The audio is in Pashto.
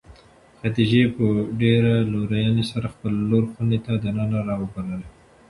خدیجې په ډېرې لورېنې سره خپله لور خونې ته د ننه راوبلله.